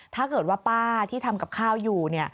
ถ้าเกิดว่าป้าที่ทำกับข้าวอยู่